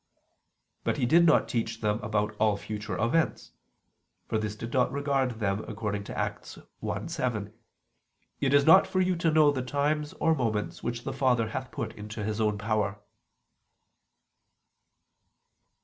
But He did not teach them about all future events: for this did not regard them according to Acts 1:7: "It is not for you to know the times or moments which the Father hath put in His own power."